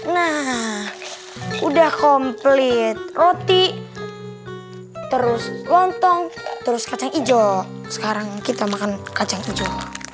nah udah komplit roti terus lontong terus kacang hijau sekarang kita makan kacang hijau